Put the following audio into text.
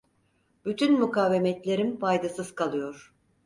Bütün mukavemetlerim faydasız kalıyor.